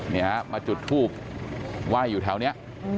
นี่ครับมาจุดภูมิไหว้อยู่แถวนี้